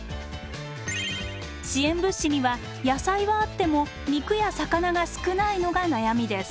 支援物資には野菜はあっても肉や魚が少ないのが悩みです。